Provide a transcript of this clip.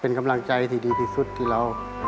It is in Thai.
เป็นกำลังใจที่ดีที่สุดที่เรา